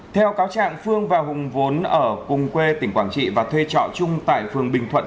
theo cáo trạng phương và hùng vốn ở cùng quê tỉnh quảng trị và thuê trọ chung tại phường bình thuận